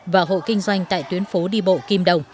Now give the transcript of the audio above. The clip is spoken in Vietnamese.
và hộ kinh doanh tại tuyến phố đi bộ kim đồng